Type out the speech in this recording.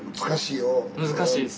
難しいです。